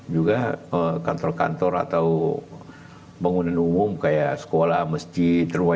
juga kantor kantor atau bangunan umum kaya sekolah mesjid rumah ibadah yang lain